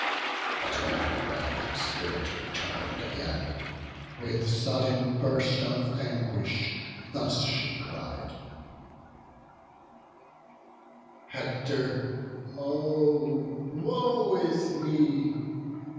But when her breath and spirit return'd again, With sudden burst of anguish thus she cried: "Hector, oh woe is me!